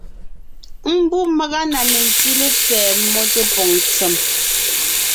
Mbú màga na mentí lepfɛ́ mmó tépòŋ ntsèm,